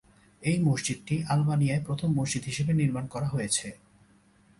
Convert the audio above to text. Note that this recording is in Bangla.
এই মসজিদটি আলবানিয়ায় প্রথম মসজিদ হিসেবে নির্মাণ করা হয়েছে।